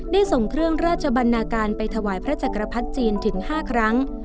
ส่งเครื่องราชบรรณาการไปถวายพระจักรพรรดิจีนถึง๕ครั้ง